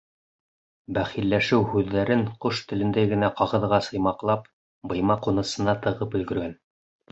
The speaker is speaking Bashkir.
Бәхилләшеү һүҙҙәрен, ҡош телендәй генә ҡағыҙға сыймаҡлап, быйма ҡунысына тығып өлгөргән.